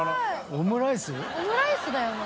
オムライスだよね？